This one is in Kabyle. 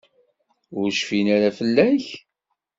Ur cfin ara fell-ak.